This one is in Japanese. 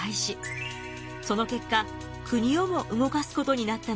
その結果国をも動かすことになったのです。